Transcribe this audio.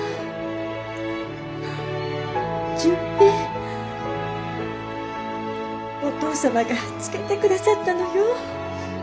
純平お父様が付けて下さったのよ。